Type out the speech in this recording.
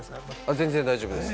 全然大丈夫です。